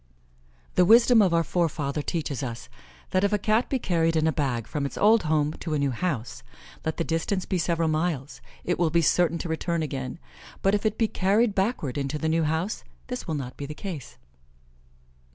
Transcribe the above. The wisdom of our forefathers teaches us, that if a Cat be carried in a bag from its old home to a new house, let the distance be several miles, it will be certain to return again; but if it be carried backward into the new house this will not be the case.